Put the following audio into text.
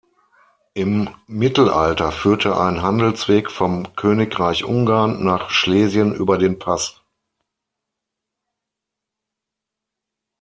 Im Mittelalter führte ein Handelsweg vom Königreich Ungarn nach Schlesien über den Pass.